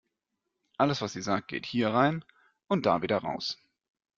Alles, was sie sagt, geht hier rein und da wieder raus.